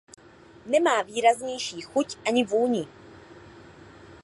Nemá výraznější chuť ani vůni.